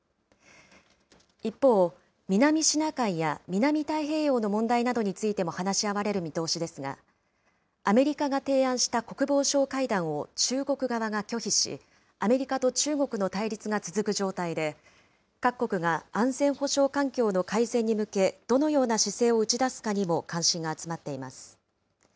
一方、南シナ海や南太平洋の問題などについても話し合われる見通しですが、アメリカが提案した国防相会談を中国側が拒否し、アメリカと中国の対立が続く状態で、各国が安全保障環境の改善に向け、どのような姿勢を打ち出すかにも関心が集まっています。